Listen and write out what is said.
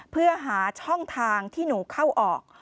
เพื่อหาช่องทางที่หนูเข้าออก